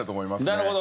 なるほど。